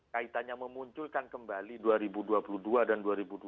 kaitannya memunculkan kembali dua ribu dua puluh dua dan dua ribu dua puluh